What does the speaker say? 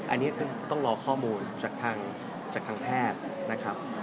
อันนี้ต้องรอข้อมูลจากทางแพทย์นะครับ